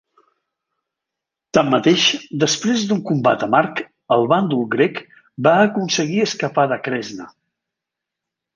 Tanmateix, després d'un combat amarg, el bàndol grec va aconseguir escapar de Kresna.